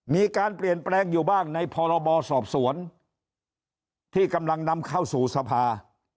มีการเปลี่ยนแปลงอยู่บ้างในพรบสอบสวนที่กำลังนำเข้าสู่สภา